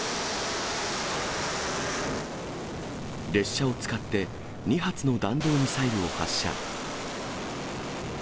列車を使って、２発の弾道ミサイルを発射。